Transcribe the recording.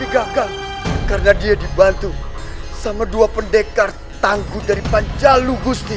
digagal karena dia dibantu sama dua pendekar tangguh dari panjalu gusti